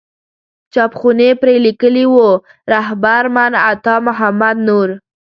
چاپ خونې پرې لیکلي وو رهبر من عطا محمد نور.